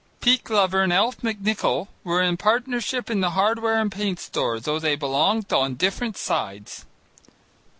Pete Glover and Alf McNichol were in partnership in the hardware and paint store, though they belonged on different sides.